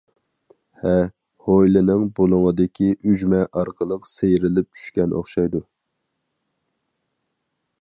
ھە، ھويلىنىڭ بۇلۇڭىدىكى ئۈجمە ئارقىلىق سىيرىلىپ چۈشكەن ئوخشايدۇ.